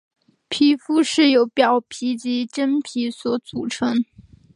皮肤是由表皮及真皮所组成。